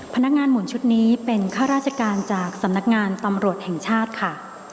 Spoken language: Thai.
หมุนชุดนี้เป็นข้าราชการจากสำนักงานตำรวจแห่งชาติค่ะ